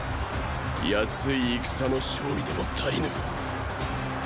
易い戦の勝利でも足りぬ。